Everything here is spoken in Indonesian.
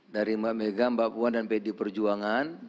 dari mbak mega mbak puan dan pd perjuangan